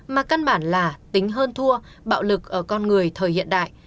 mà căn bản là tính hơn thua bạo lực ở con người thời hiện đại